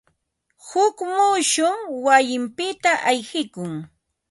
Huk muusum wayinpita ayqikun.